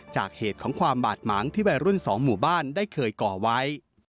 จากเหตุของความบาดหมางที่วัยรุ่นสองหมู่บ้านได้เคยก่อไว้